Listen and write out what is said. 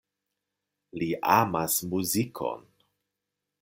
Li amas muzikon.